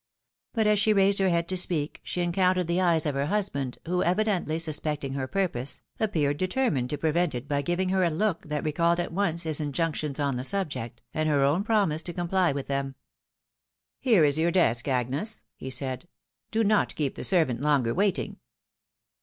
But as she raised her head to speak, she encountered the eyes of her husband, who, evidently suspecting her purpose, appeared determined to prevent it by giving her a look that recalled at once his injunc tions on the subject, and her own promise to comply with them. " Here is your desk, Agnes," he said ;" do not keep the servant longer waiting."